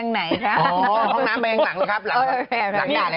อ๋อห้องน้ำเรียงหลังหรือครับหลังหลังเนี่ยอะไรฮะ